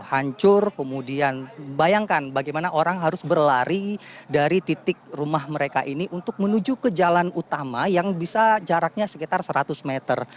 hancur kemudian bayangkan bagaimana orang harus berlari dari titik rumah mereka ini untuk menuju ke jalan utama yang bisa jaraknya sekitar seratus meter